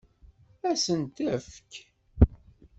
Ad sen-t-tefk?